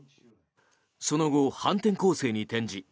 その後、反転攻勢に転じ